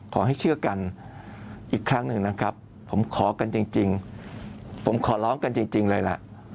ขอให้เชื่อกันอีกครั้งหนึ่งนะครับผมขอกันจริงผมขอร้องกันจริงเลยล่ะ